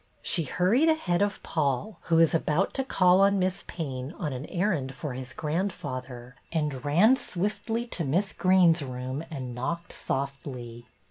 She hurried ahead of Paul, who was about to call on Miss Payne on an errand for his grandfather, and ran swiftly to Miss Greene's room and knocked .softly.